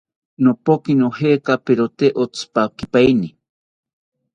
Nopoki nojekaperote otzipakipaeni